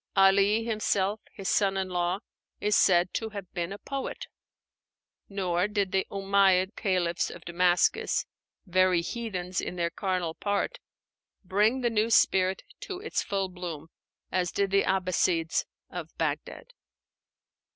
Ali himself, his son in law, is said to have been a poet; nor did the Umáyyid Caliphs of Damascus, "very heathens in their carnal part," bring the new spirit to its full bloom, as did the Abbassides of Bagdad.